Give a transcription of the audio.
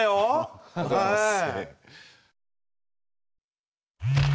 ありがとうございます。